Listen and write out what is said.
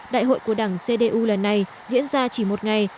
đại hội của đảng cdu lần này diễn ra chỉ một ngày